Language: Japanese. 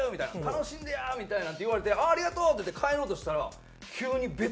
「楽しんでや」みたいな言われて「ありがとう！」って言って帰ろうとしたら急に別人の顔になって。